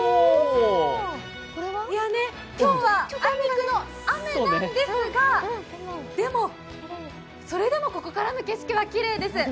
今日はあいにくの雨なんですがそれでもここからの景色はきれいです。